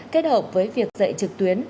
kết hợp với việc dạy trực tuyến